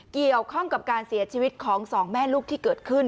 เกี่ยวข้องกับการเสียชีวิตของสองแม่ลูกที่เกิดขึ้น